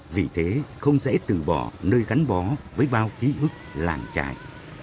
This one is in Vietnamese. vì thế không dễ từ bỏ nơi gắn bó với bao ký ức làng trài